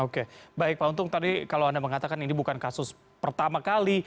oke baik pak untung tadi kalau anda mengatakan ini bukan kasus pertama kali